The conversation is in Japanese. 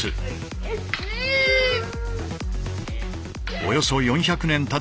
およそ４００年たった